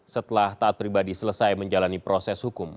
setelah taat pribadi selesai menjalani proses hukum